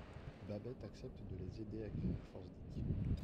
Babette accepte de les aider à guérir Forsdyke.